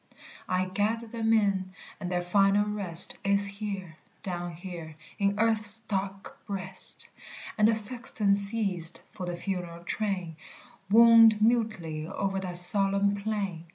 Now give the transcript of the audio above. "I gather them in, and their final rest Is here, down here, in earth's dark breast!" And the sexton ceased, for the funeral train Wound mutely o'er that solemn plain!